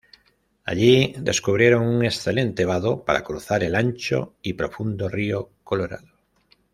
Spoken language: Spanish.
Allí descubrieron un excelente vado para cruzar el ancho y profundo río Colorado.